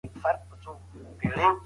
ما تېره اونۍ یو پښتو غزل ولیکی.